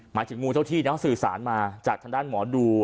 หมายถึงงูเจ้าที่นะสื่อสารมาจากทางด้านหมอดู